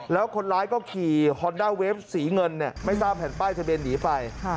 แล้วคนร้ายก็ขี่ฮอนด้าเวฟสีเงินไม่ทราบแผ่นป้ายทะเบียนหนีไป